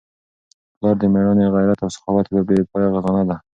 پلار د مېړانې، غیرت او سخاوت یوه بې پایه خزانه ده.